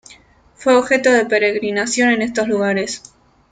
Fue objeto de peregrinación en estos lugares.